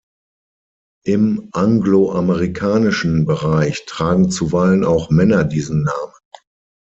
Im anglo-amerikanischen Bereich tragen zuweilen auch Männer diesen Namen.